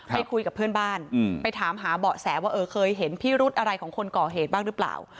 ไปคุยกับเพื่อนบ้านไปถามหาเบาะแสว่าเออเคยเห็นพิรุธอะไรของคนก่อเหตุบ้างหรือเปล่า